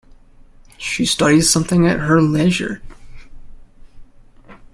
She studies something at her leisure.